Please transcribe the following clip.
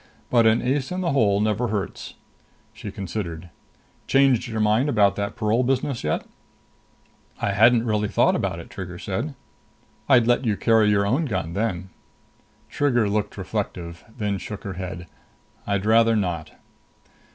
But an ace in the hole never hurts." She considered. "Changed your mind about that parole business yet?" "I hadn't really thought about it," Trigger said. "I'd let you carry your own gun then." Trigger looked reflective, then shook her head. "I'd rather not."